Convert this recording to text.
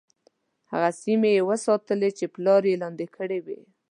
هغه سیمي یې وساتلې چې پلار یې لاندي کړې وې.